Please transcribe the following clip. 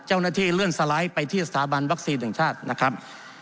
เจ้าหน้าที่เลื่อนสไลด์ไปที่สถาบันวัคซีนแห่งชาตินะครับ